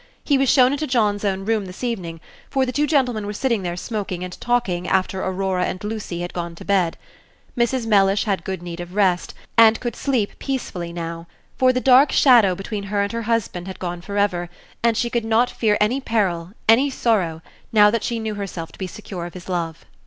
He was shown into John's own room this evening, for the two gentlemen were sitting there smoking and talking after Aurora and Lucy had gone to bed. Mrs. Mellish had good need of rest, and could sleep peacefully now; for the dark shadow between her and her husband had gone for ever, and she could not fear any peril, any sorrow, now that she knew herself to be secure of his love.